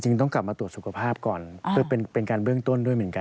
ต้องกลับมาตรวจสุขภาพก่อนเพื่อเป็นการเบื้องต้นด้วยเหมือนกัน